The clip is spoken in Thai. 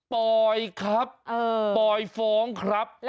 ปอยครับปอยฟ้องครับ